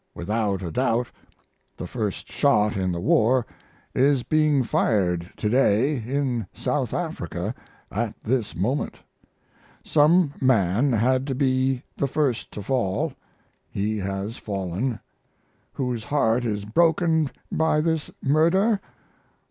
Without a doubt the first shot in the war is being fired to day in South Africa at this moment. Some man had to be the first to fall; he has fallen. Whose heart is broken by this murder?